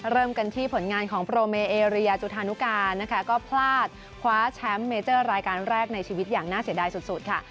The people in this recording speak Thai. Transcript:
เริ่มกันที่ผลงานของโปรเมเอเรียจุธานุกานะคะก็พลาดคว้าแชมป์เมเจอร์รายการแรกในชีวิตอย่างน่าเสียดายสุดค่ะ